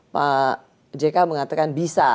pak jk mengatakan bisa